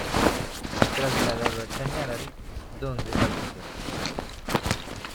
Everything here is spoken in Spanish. Trasladado a Chañaral, donde falleció.